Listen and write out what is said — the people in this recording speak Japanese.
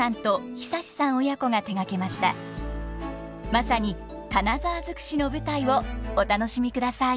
まさに金沢尽くしの舞台をお楽しみください。